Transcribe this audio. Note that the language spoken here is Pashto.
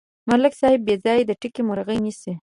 ملک صاحب بېځایه د ټګۍ مرغۍ نیسي.